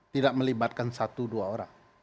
tidak melibatkan satu dua orang